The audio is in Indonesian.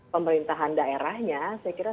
pemerintahan daerahnya saya kira